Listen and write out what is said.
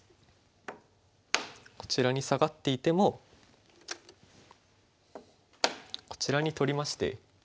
こちらにサガっていてもこちらに取りまして。